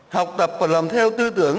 học tập và làm theo tư tưởng